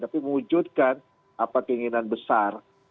tapi mewujudkan apa keinginan besar